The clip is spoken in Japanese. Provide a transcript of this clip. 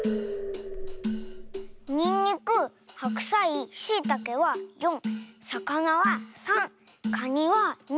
にんにくはくさいしいたけは４さかなは３カニは２。